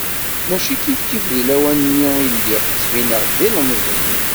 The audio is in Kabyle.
Mačči kifkif, deg lawan-nni lliɣ ttbineɣ-d d ilemẓi.